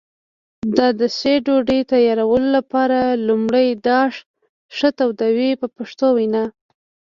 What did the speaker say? د داشي ډوډۍ تیارولو لپاره لومړی داش ښه تودوي په پښتو وینا.